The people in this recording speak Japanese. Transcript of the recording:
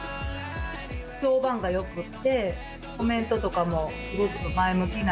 評判がよくって、コメントとかもすごく前向きな。